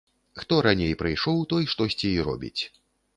Хто раней прыйшоў, той штосьці і робіць.